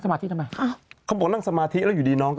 บอกว่านางสมาธิอยู่